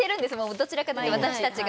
どちらかと言えば私たちが。